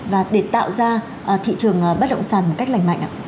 và để tạo ra thị trường bất động sản một cách lành mạnh ạ